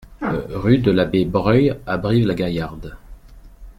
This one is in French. Rue de l'Abbé Breuil à Brive-la-Gaillarde